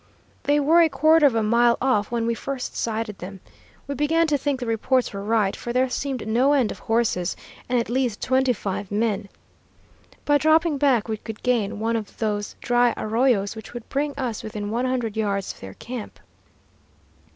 They were a quarter of a mile off when we first sighted them. We began to think the reports were right, for there seemed no end of horses, and at least twenty five men. By dropping back we could gain one of those dry arroyos which would bring us within one hundred yards of their camp.